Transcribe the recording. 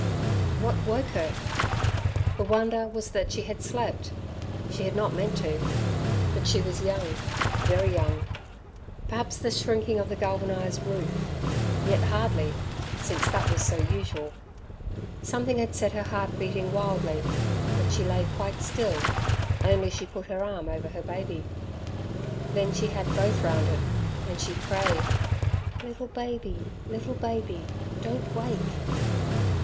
What woke her? The wonder was that she had slept she had not meant to. But she was young, very young. Perhaps the shrinking of the galvanized roof yet hardly, since that was so usual. Something had set her heart beating wildly; but she lay quite still, only she put her arm over her baby. Then she had both round it, and she prayed, "Little baby, little baby, don't wake!"